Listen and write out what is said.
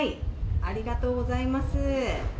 ありがとうございます。